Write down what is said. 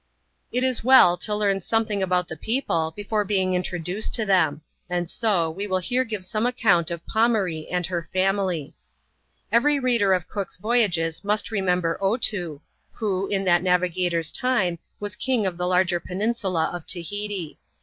It is well to learn something about people before being introduced to them ; and so, we will here give some account of Pomaree and her family. Every reader of Cook's Voyages must remember " Otoo," who, in that navigator's time, was king of the larger peninsula of Tahiti.